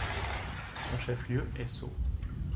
Son chef-lieu est Soe.